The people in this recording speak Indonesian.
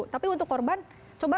tapi untuk korban coba